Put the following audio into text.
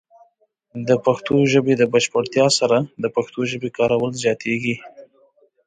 د پښتو ژبې د بشپړتیا سره، د پښتو ژبې کارول زیاتېږي.